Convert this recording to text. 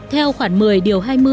theo khoảng một mươi điều hai mươi